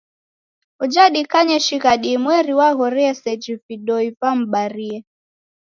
Uja dikanye shighadi imweri waghorie seji vidoi vim'barie.